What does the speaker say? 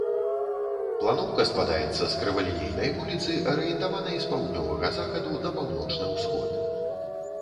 Планоўка складаецца з крывалінейнай вуліцы, арыентаванай з паўднёвага захаду на паўночны ўсход.